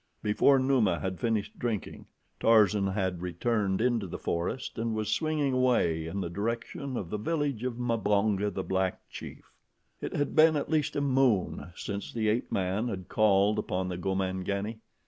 Before Numa had finished drinking, Tarzan had returned into the forest, and was swinging away in the direction of the village of Mbonga, the black chief. It had been at least a moon since the ape man had called upon the Gomangani.